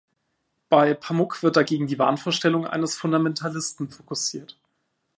Bei Pamuk wird dagegen die Wahnvorstellung eines Fundamentalisten fokussiert.